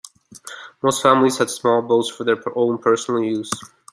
Most families had small boats for their own personal use.